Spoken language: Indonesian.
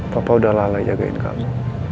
papa udah lala jagain kamu